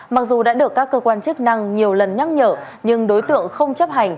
mặc dù đã được các cơ quan chức năng nhiều lần nhắc nhở nhưng đối tượng không chấp hành